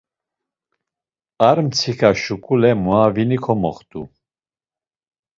Ar mtsika şuǩule muavini komoxt̆u.